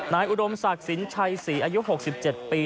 อุดมศักดิ์สินชัยศรีอายุ๖๗ปี